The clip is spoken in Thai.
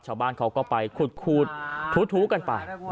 ชาวบ้านเขาก็ไปขูดทู้กันไป